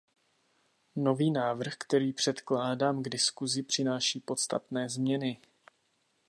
Nový návrh, který předkládám k diskusi, přináší podstatné změny.